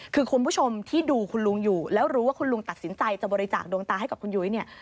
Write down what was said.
คือคุณผู้ชมที่ดูคุณลุงอยู่แล้วรู้ว่าคุณลุงตัดสินใจจะบริจาคดวงตาให้กับคุณยุ้ยเนี่ย